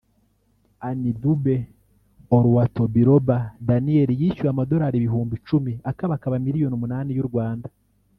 Anidugbe Oluwatobiloba Daniel yishyuwe amadolari ibihumbi icumi [akabakaba miliyoni umunani y’u Rwanda]